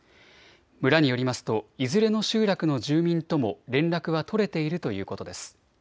村によりますといずれの集落の住民とも連絡は取れているということです。